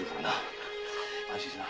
安心しな。